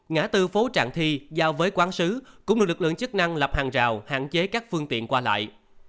ngã tư phố trạng thi giao với quán sứ cũng được lực lượng chức năng lập hàng rào hạn chế các phương tiện qua lại